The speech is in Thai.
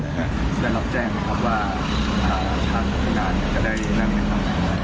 แสดงเราแจ้งว่าถ้าไม่นานจะได้นั่งเงินทางไหน